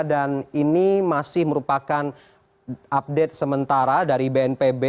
dan ini masih merupakan update sementara dari bnpb